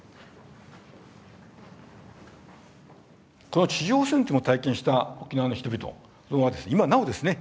この地上戦ってものを体験した沖縄の人々は今なおですね